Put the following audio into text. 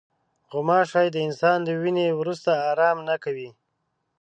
غوماشې د انسان له وینې وروسته آرام نه کوي.